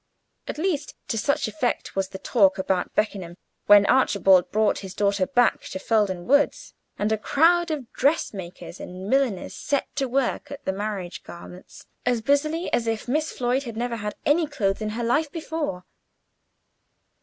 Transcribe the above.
At least to such effect was the talk about Beckenham when Archibald brought his daughter back to Felden Woods, and a crowd of dress makers and milliners set to work at the marriage garments as busily as if Miss Floyd had never had any clothes in her life before.